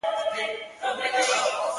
نو مي ناپامه ستا نوم خولې ته راځــــــــي_